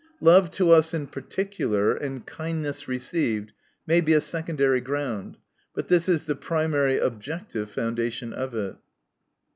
Love tc us in particular, and kindness received, may be a secondary ground. But this is the primary objective foundation of it.